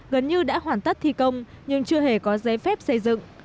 gần như đã hoàn tất thi công nhưng chưa hề có giấy phép xây dựng